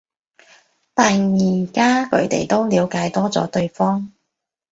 但而家佢哋都了解多咗對方